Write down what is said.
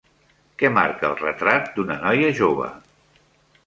Què marca el Retrat d'una noia jove?